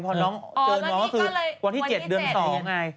พอน้องเจอน้องก็คือวันที่๗เดือน๒ไง